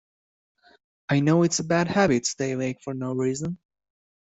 I know its a bad habit stay awake for no reason.